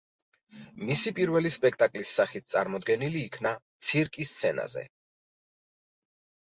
მისი პირველი სპექტაკლის სახით წარდგენილი იქნა ცირკი სცენაზე.